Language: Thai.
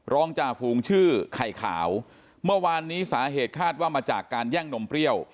จาฟูงชื่อไข่ขาวเมื่อวานนี้สาเหตุคาดว่ามาจากการแย่งนมเปรี้ยว